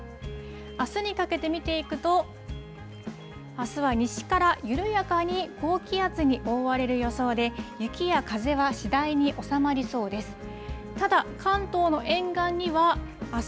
あすにかけて見ていくと、あすは西から緩やかに高気圧に覆われる予想で、雪や風は次第に収まりそうです。